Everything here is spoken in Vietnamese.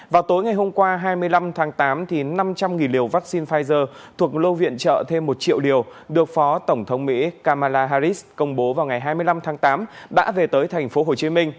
vào tối ngày hôm qua hai mươi năm tháng tám năm trăm linh liều vaccine pfizer thuộc lô viện trợ thêm một triệu liều được phó tổng thống mỹ kamala harris công bố vào ngày hai mươi năm tháng tám đã về tới tp hcm